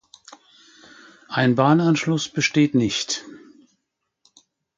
Ein Bahnanschluss besteht nicht.